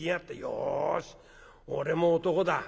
よし俺も男だ。